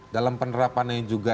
dalam penerapannya juga